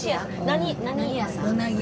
何屋さん？